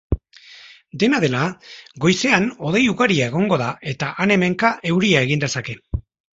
Dena dela goizean hodei ugaria egongo da eta han-hemenka euria egin dezake.